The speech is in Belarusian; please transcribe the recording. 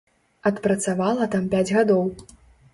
Адпрацавала там пяць гадоў.